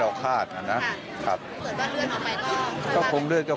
ถือว่าเบ็ดเสร็จเลยดีนะครับ